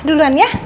yuk duluan ya